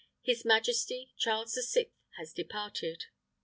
His majesty, Charles the Sixth, has departed."